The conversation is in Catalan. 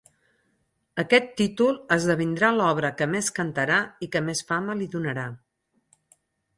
Aquest títol esdevindrà l'obra que més cantarà i que més fama li donarà.